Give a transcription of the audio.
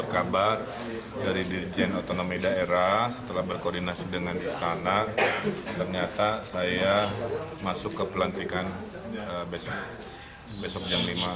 karena ternyata saya masuk ke pelantikan besok jam lima